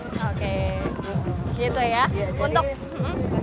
untuk kapal ibu dihias dengan tema apa nih suasana apa nih